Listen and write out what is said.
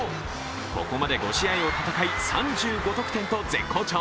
ここまで５試合を戦い、３５得点と絶好調。